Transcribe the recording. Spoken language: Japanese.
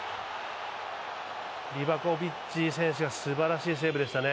リバコビッチ選手がすばらしいセーブでしたね。